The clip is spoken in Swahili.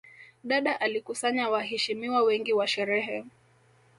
Dada alikusanya waheshimiwa wengi wa sherehe